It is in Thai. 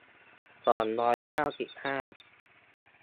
สองร้อยเก้าสิบห้า